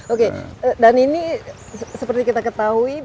oke dan ini seperti kita ketahui